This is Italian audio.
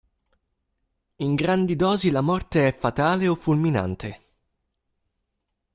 In grandi dosi la morte è fatale o fulminante.